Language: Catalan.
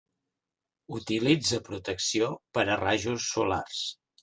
Utilitza protecció per a rajos solars.